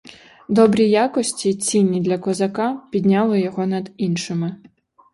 Добрі якості, цінні для козака, підняли його над іншими.